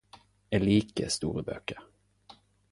Eg lige store bøker.